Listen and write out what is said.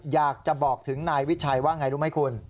อยากจะบอกถึงนายวิชัยว่าไงรู้ไหมคุณ